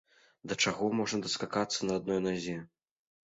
Да чаго можна даскакацца на адной назе?